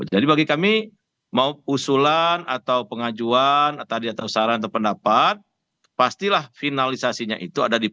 bagi kami mau usulan atau pengajuan atau saran atau pendapat pastilah finalisasinya itu ada di p tiga